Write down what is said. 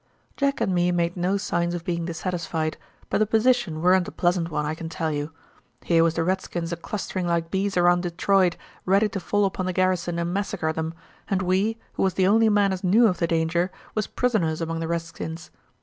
"Jack and me made no signs of being dissatisfied, but the position weren't a pleasant one, I can tell you. Here was the redskins a clustering like bees around Detroit, ready to fall upon the garrison and massacre 'em, and we, who was the only men as knew of the danger, was prisoners among the redskins.